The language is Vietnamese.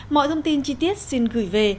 mọi thông tin chi tiết xin gửi về